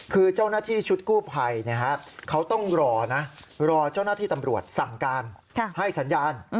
คือเจ้าหน้าที่ชุดกู้ภัยเขาต้องรอนะรอเจ้าหน้าที่ตำรวจสั่งการให้สัญญาณ